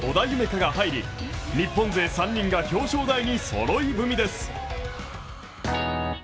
海が入り日本勢３人が表彰台にそろい踏みです。